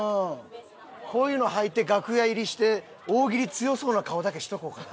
こういうの履いて楽屋入りして大喜利強そうな顔だけしとこうかな。